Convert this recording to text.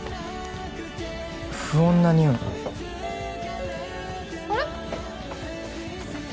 不穏なにおいあれ？